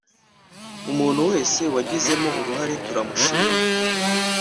Umuntu wese wagizemo uruhare turamushimiye